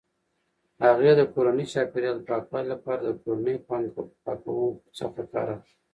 هغې د کورني چاپیریال د پاکوالي لپاره د کورنیو پاکونکو څخه کار اخلي.